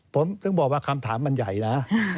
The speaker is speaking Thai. ผมถึงบอกว่าคำถามมันใหญ่นะ